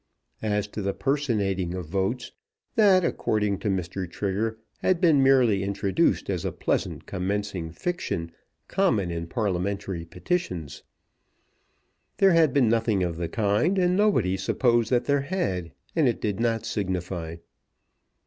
As to the personating of votes, that according to Mr. Trigger, had been merely introduced as a pleasant commencing fiction common in Parliamentary petitions. There had been nothing of the kind, and nobody supposed that there had, and it did not signify.